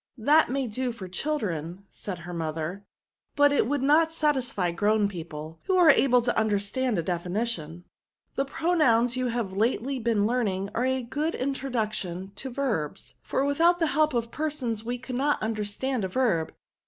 '''* That may do for children/* said her mother, *^ but it would not satisfy grown people, who are able to understand a defin ition." " The pronouns you have lately been learning are a very good introduction to the verbs ; for without the help of persons we could not understand a verb.